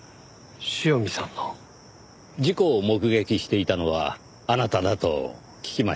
塩見さんの？事故を目撃していたのはあなただと聞きました。